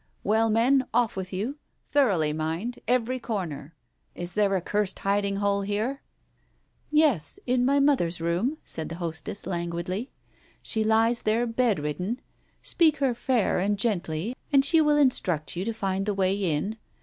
Well, men, off with you 1 Thoroughly, mind. Every corner ! Is there a cursed hiding hole here ?" "Yes, in my mother's room," said the hostess languidly. "She lies there bedridden. Speak her fair and gently, and she will instruct you to find the way in.